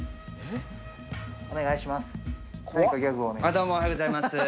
どうもおはようございます。